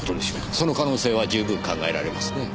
その可能性は十分考えられますねぇ。